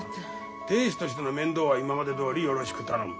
亭主としての面倒は今までどおりよろしく頼む。